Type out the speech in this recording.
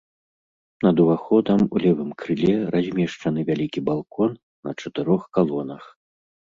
Над уваходам у левым крыле размешчаны вялікі балкон на чатырох калонах.